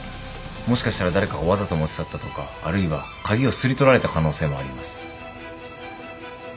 もしかしたら誰かがわざと持ち去ったとかあるいは鍵をすり取られた可能性もあります。